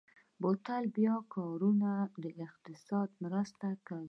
بوتل بیا کارونه د اقتصاد مرسته کوي.